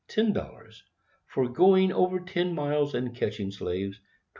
00 For going over ten miles and catching slaves, 20.